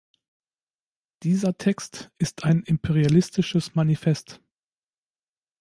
Dieser Text ist ein imperialistisches Manifest.